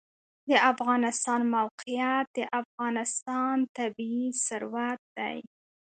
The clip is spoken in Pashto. د افغانستان موقعیت د افغانستان طبعي ثروت دی.